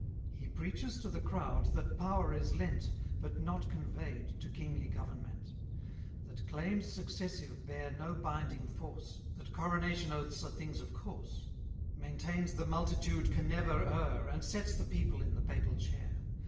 He preaches to the crowd that power is lent, But not convey'd, to kingly government; That claims successive bear no binding force, That coronation oaths are things of course; Maintains the multitude can never err, And sets the people in the papal chair.